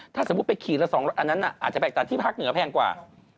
ถ้าสมมุติไปขีดละ๒อันนั้นอาจจะไปแต่ที่ภาคเหนือแพงกว่า